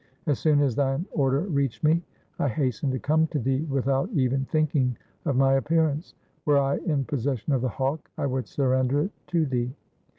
As soon as thine order reached me, I hastened to come to thee with out even thinking of my appearance. Were I in possession of the hawk, I would surrender it to thee.